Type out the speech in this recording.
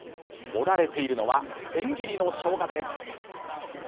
盛られているのは千切りのしょうがです。